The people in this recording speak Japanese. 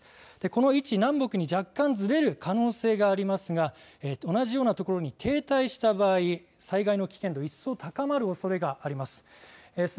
この位置は南北に若干ずれる可能性がありますが同じような所に停滞した場合災害の危険度一層高まるおそれがあります。